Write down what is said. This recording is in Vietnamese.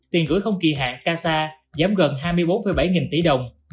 tiền gửi không kỳ hạn casa giảm gần hai mươi bốn bảy nghìn tỷ đồng